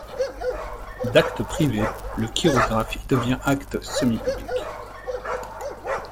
D'acte privé, le chirographe y devient acte semi-public.